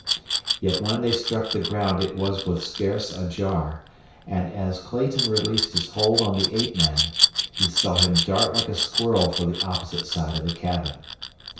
Yet when they struck the ground it was with scarce a jar; and as Clayton released his hold on the ape man he saw him dart like a squirrel for the opposite side of the cabin.